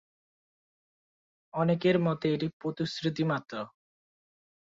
অনেকের মতে এটি প্রতিশ্রুতিমাত্র।